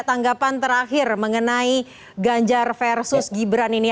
tanggapan terakhir mengenai ganjar versus gibran ini